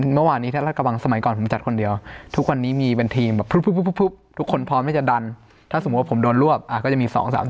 มีจริงครับผม